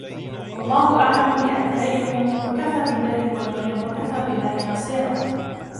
والله أعلم بأعدائكم وكفى بالله وليا وكفى بالله نصيرا